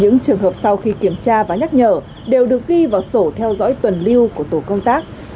những trường hợp sau khi kiểm tra và nhắc nhở đều được ghi vào sổ theo dõi tuần lưu của tổ công tác